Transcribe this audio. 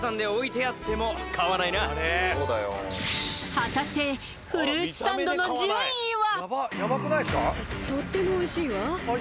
果たしてフルーツサンドの順位は？